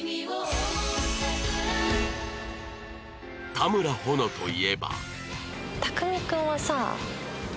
田村保乃といえば